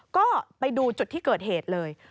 ก็ไปดูจุดที่เกิดเหตุเลย